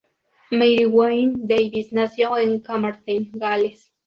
Mary Wynne Davies nació en Carmarthen, Gales.